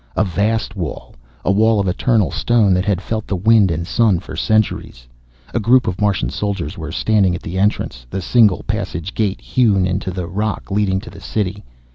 A vast wall, a wall of eternal stone that had felt the wind and sun for centuries. A group of Martian soldiers were standing at the entrance, the single passage gate hewn into the rock, leading to the City.